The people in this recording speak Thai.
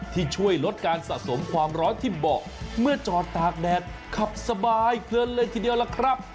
ที่ช่วยลดการสะสมความร้อนที่เบาะเมื่อจอดตากแดดขับสบายเพลินเลยทีเดียวล่ะครับ